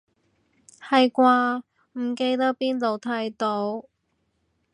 係啩，唔記得邊度睇到